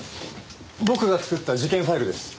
僕が作った事件ファイルです。